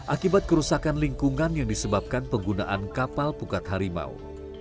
akibat kerusakan lingkungan yang disebabkan penggunaan kapal pukat harimau